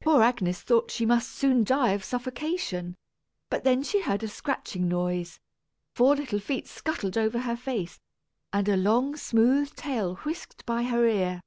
Poor Agnes thought she must soon die of suffocation, but just then she heard a scratching noise; four little feet scuttled over her face, and a long smooth tail whisked by her ear.